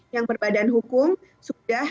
yang berbadan hukum sudah